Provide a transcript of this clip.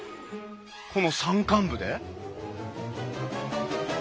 この山間部で？